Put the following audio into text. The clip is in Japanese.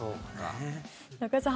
中居さん